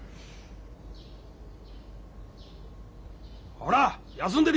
ほら休んでる